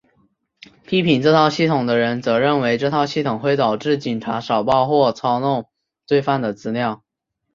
批评这套系统的人则认为这套系统会导致警察少报或操弄犯罪的资料。